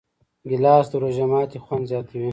ګیلاس د روژه ماتي خوند زیاتوي.